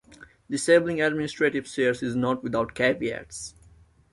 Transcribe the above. Disabling administrative shares is not without caveats.